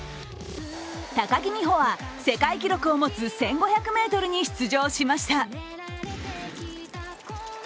高木美帆は世界記録を持つ１５００ｍに出場しました。